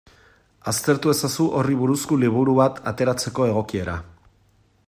Aztertu ezazu horri buruzko liburu bat ateratzeko egokiera.